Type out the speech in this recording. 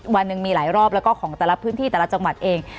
วันหนึ่งมีหลายรอบแล้วก็ของแต่ละพื้นที่แต่ละจังหวัดเอง